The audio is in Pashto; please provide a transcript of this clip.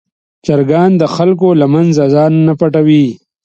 چرګان د خلکو له منځه ځان نه پټوي.